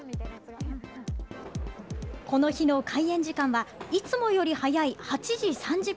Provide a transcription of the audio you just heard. この日の開園時間はいつもより早い８時３０分。